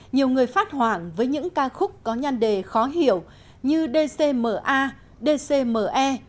nhiều người phát hoảng với những ca khúc có nhăn đề khó hiểu như dcma dcme